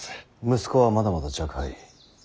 息子はまだまだ若輩。